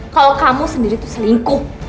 kalo kamu sendiri tuh selingkuh